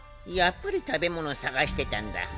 やっぱり食べ物探してたんだ。